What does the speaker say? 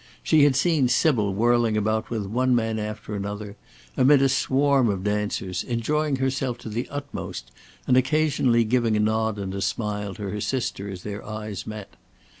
She had seen Sybil whirling about with one man after another, amid a swarm of dancers, enjoying herself to the utmost and occasionally giving a nod and a smile to her sister as their eyes met.